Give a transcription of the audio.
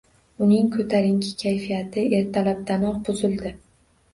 Uning koʻtarinki kayfiyati ertalabdanoq buzildi…